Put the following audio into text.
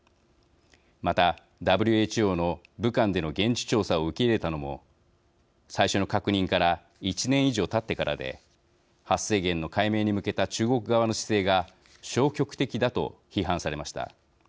また、ＷＨＯの武漢での現地調査を受け入れたのも最初の確認から１年以上たってからで発生源の解明に向けた中国側の姿勢が消極的だと批判されました。